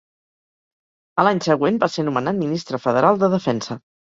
A l'any següent, va ser nomenat Ministre Federal de Defensa.